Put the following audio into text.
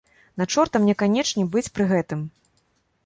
На чорта мне канечне быць пры гэтым.